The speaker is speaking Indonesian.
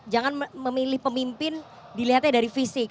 jangan memilih pemimpin dilihatnya dari fisik